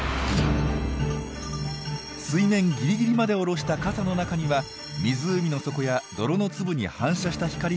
水面ギリギリまで下ろした傘の中には湖の底や泥の粒に反射した光しか入ってきません。